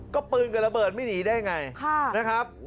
ก็ปืนกับระเบิดไม่หนีได้ไงนะครับ